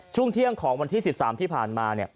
ช่วงเที่ยงของวันที่๑๓ที่ผ่านมา